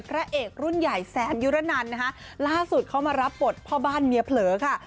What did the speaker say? พระเอกรุ่นใหญ่แซมยุรนันนะคะล่าสุดเขามารับบทพ่อบ้านเมียเผลอค่ะ